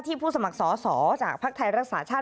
ที่ผู้สมัครสอจากภาคไทยรักษาชาติ